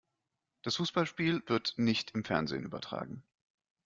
Das Fußballspiel wird nicht im Fernsehen übertragen.